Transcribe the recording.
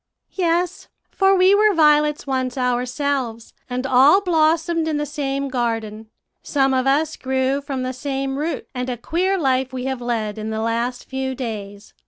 "'Yes, for we were violets once ourselves, and all blossomed in the same garden; some of us grew from the same root, and a queer life we have led in the last few days.